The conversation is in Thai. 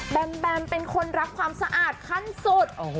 แมมแบมเป็นคนรักความสะอาดขั้นสุด